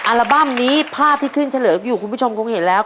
อัลบั้มนี้ภาพที่ขึ้นเฉลิมอยู่คุณผู้ชมคงเห็นแล้ว